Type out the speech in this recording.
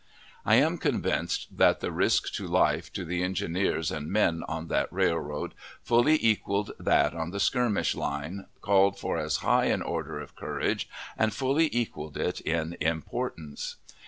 I am convinced that the risk to life to the engineers and men on that railroad fully equaled that on the skirmish line, called for as high an order of courage, and fully equaled it in importance.